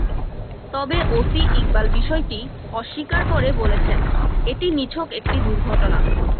তবে ওসি ইকবাল বিষয়টি অস্বীকার করে বলেছেন, এটি নিছক একটি দুর্ঘটনা।